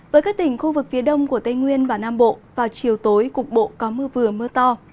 với các tỉnh khu vực phía đông của tây nguyên và nam bộ vào chiều tối cục bộ có mưa vừa mưa to